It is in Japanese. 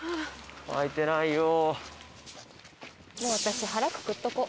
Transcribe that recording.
もう私腹くくっとこ。